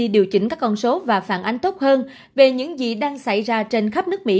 điều chỉnh các con số và phản ánh tốt hơn về những gì đang xảy ra trên khắp nước mỹ